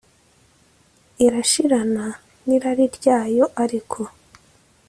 irashirana n irari ryayo ariko